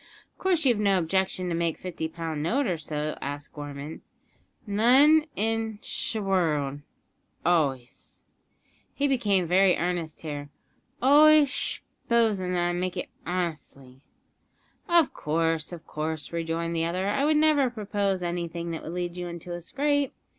"Of course you've no objection to make a fifty pound note or so?" asked Gorman. "None in sh' wo'ld; always," he became very earnest here, "always sh'posin' that I make it honestly." "Of course, of course," rejoined the other; "I would never propose anything that would lead you into a scrape.